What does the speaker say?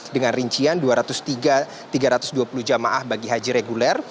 dengan rincian dua ratus tiga tiga ratus dua puluh jamaah bagi haji reguler